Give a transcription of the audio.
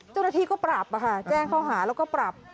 เจ้าหน้าที่ก็ปรับแจ้งข้อหาแล้วก็ปรับ